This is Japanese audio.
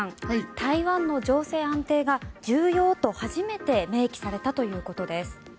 台湾の情勢安定が重要と初めて明記されたということです。